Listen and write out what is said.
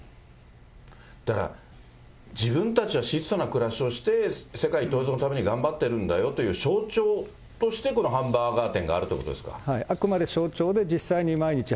だから、自分たちは質素な暮らしをして、世界統一のために頑張ってるんだよという象徴として、このハンバーガー店があるということですか？